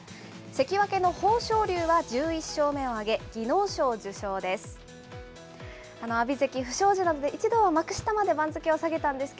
関脇の豊昇龍は１１勝目を挙げ、技能賞受賞です。